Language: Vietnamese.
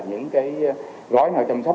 những cái gói nào chăm sóc